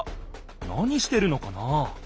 何してるのかな？